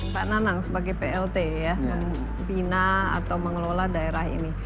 pak nanang sebagai plt ya membina atau mengelola daerah ini